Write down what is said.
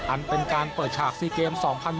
อันเป็นการเปิดฉาก๔เกม๒๐๒๐